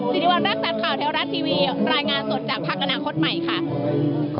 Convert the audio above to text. สิริวัณรักษัตริย์ข่าวแท้รัฐทีวีรายงานสดจากพักอนาคตใหม่ค่ะ